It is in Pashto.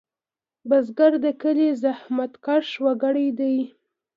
بزګر د کلي زحمتکش وګړی دی